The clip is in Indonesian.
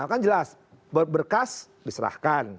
kan jelas berkas diserahkan